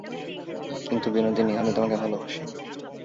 কিন্তু বিনোদিনী, আমি তোমাকে ভালোবাসি।